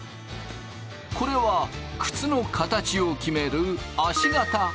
これは靴の形を決める足型。